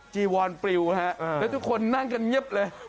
จีวอนปริวฮะแล้วทุกคนนั่งกันเงียบเลย